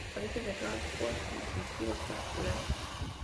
Carece de rasgos distintivos particulares.